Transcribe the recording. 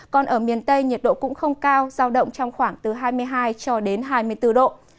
còn ở miền tây nhiệt độ cũng không cao giao động trong khoảng từ hai mươi hai cho đến hai mươi bốn độ